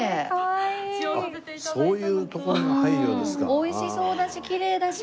美味しそうだしきれいだし。